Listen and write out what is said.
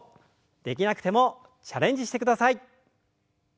できなくてもチャレンジしてください。